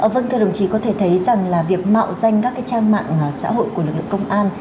vâng thưa đồng chí có thể thấy rằng là việc mạo danh các cái trang mạng xã hội của lực lượng công an